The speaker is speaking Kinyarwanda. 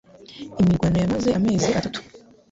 Imirwano yamaze amezi atatu